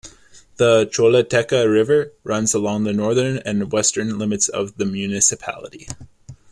The Choluteca River runs along the northern and western limits of the municipality.